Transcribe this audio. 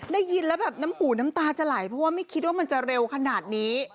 ได้ยินแล้วแบบน้ำหูน้ำตาจะไหลเพราะว่าไม่คิดว่ามันจะเร็วขนาดนี้